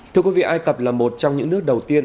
thưa quý vị ai cập là một trong những nước đầu tiên